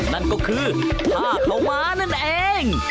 นั่นก็คือผ้าขาวม้านั่นเอง